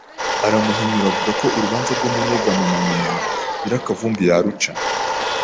aramuhinyura avuga ko urubanza rwo mu nyegamo na nyina Nyirakavumbi yaruca